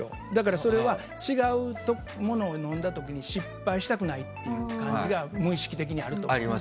それは違うものを飲んだ時に失敗したくないという感じが無意識的にあると思います。